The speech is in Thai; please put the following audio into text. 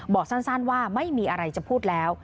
บอกสั้นว่าไม่มีอะไรจะพูดแล้ว